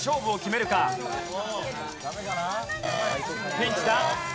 ピンチだ。